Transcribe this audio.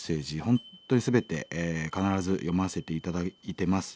本当に全て必ず読ませて頂いてます。